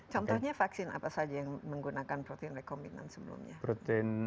contohnya vaksin apa saja yang menggunakan protein rekombinant sebelumnya